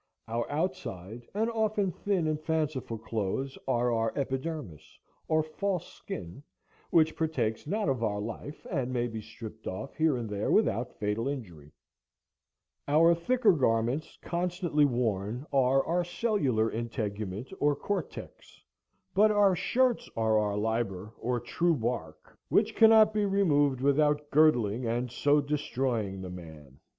Our outside and often thin and fanciful clothes are our epidermis, or false skin, which partakes not of our life, and may be stripped off here and there without fatal injury; our thicker garments, constantly worn, are our cellular integument, or cortex; but our shirts are our liber or true bark, which cannot be removed without girdling and so destroying the man.